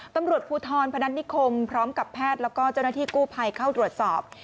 ตำรวจภูทรพนัฐนิคมพร้อมกับแพทย์แล้วก็เจ้าหน้าที่กู้ภัยเข้าตรวจสอบ